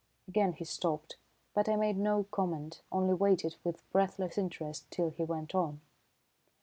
Again he stopped, but I made no comment, only waited with breathless interest till he went on.